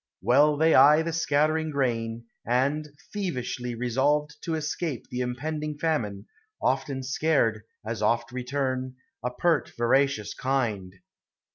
Well they eye The scattered grain, and, thievishly resolved To escape the impending famine, often scared As oft return, a pert voracious kind.